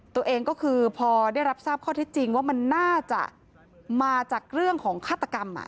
ตัวเองก็คือพอได้รับทราบข้อเท็จจริงว่ามันน่าจะมาจากเรื่องของฆาตกรรม